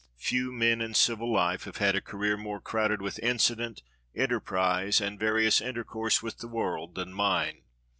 Few men in civil life have had a career more crowded with incident, enterprise, and various intercourse with the world than mine.